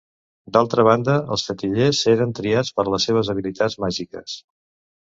D'altra banda els fetillers eren triats per les seves habilitats màgiques.